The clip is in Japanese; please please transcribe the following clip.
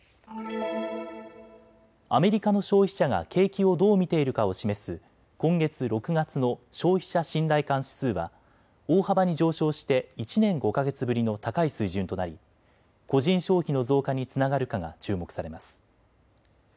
アメリカの消費者が景気をどう見ているかを示す今月６月の消費者信頼感指数は大幅に上昇して１年５か月ぶりの高い水準となり個人消費の増加につながるかが注目されます。